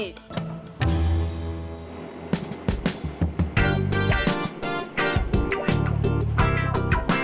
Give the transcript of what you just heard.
aku sudah zaman